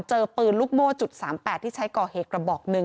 เจอปืนลูกโม่จุด๓๘ที่ใช้ก่อเหตุกระบอกหนึ่ง